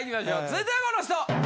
続いてはこの人！